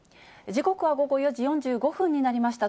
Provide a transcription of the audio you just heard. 時刻は午後４時４５分になりました。